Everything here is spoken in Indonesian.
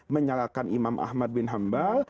menyalahkan imam ahmad bin hanbal